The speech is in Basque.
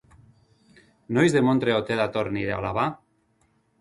Noiz demontre ote dator nire alaba?